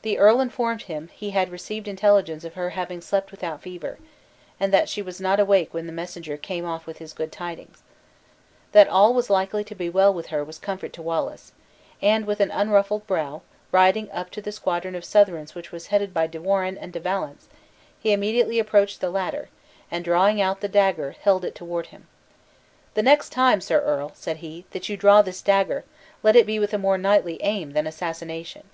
The earl informed him he had received intelligence of her having slept without fever, and that she was not awake when the messenger came off with his good tidings. That all was likely to be well with her was comfort to Wallace; and, with an unruffled brow, riding up to the squadron of Southrons which was headed by De Warenne and De Valence, he immediately approached the latter, and drawing out the dagger, held it toward him: "The next time, sir earl," said he, "that you draw this dagger, let it be with a more knightly aim than assassination!"